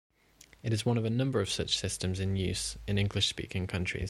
It is one of a number of such systems in use in English-speaking countries.